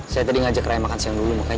saya tadi ngajak raya makan siang dulu makanya